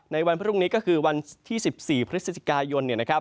ในวันพรุ่งนี้ก็คือวันที่๑๔พฤศจิกายน